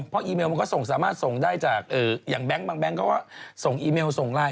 เพราะอีเมลมันก็ส่งสามารถส่งได้จากอย่างแบงค์บางแบงค์เขาก็ส่งอีเมลส่งไลน